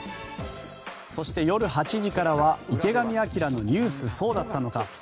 そして、夜８時からは「池上彰のニュースそうだったのか！！」。